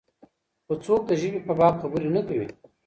خو څوک د ژبې په باب خبرې نه کوي.